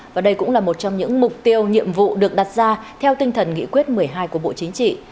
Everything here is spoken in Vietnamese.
và đây cũng là một trong những mục tiêu nhiệm vụ được đặt ra theo tinh thần nghị quyết một mươi hai của bộ chính trị